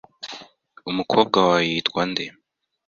Umukobwa wawe yitwa nde?